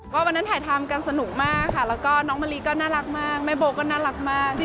ก็วันนั้นถ่ายทำกันสนุกมากค่ะแล้วก็น้องมะลิก็น่ารักมากแม่โบก็น่ารักมาก